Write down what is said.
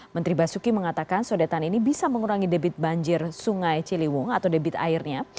menteri basuki mengatakan sodetan ini bisa mengurangi debit banjir sungai ciliwung atau debit airnya